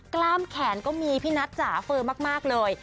กล้ามแขนก็มีพี่นัทจ๋าเฟอร์มากเลย